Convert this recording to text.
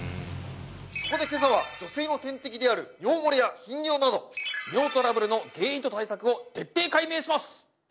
そこで今朝は女性の天敵である尿漏れや頻尿など尿トラブルの原因と対策を徹底解明します！